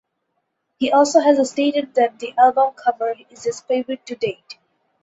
He also has stated that the album cover is his favorite to date.